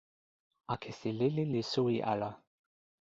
akesi lili li suwi ala.